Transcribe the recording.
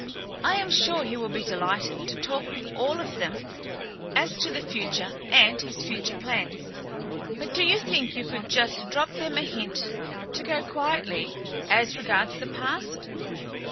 I am sure he will be delighted to talk with all of them as to the future and his future plans, but do you think you could just drop them a hint to go quietly as regards the past?"